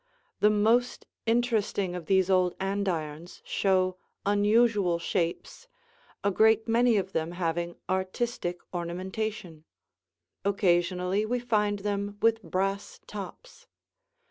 The most interesting of these old andirons show unusual shapes, a great many of them having artistic ornamentation; occasionally we find them with brass tops.